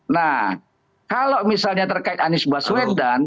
nah kalau misalnya terkait anies baswedan